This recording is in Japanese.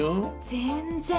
全然。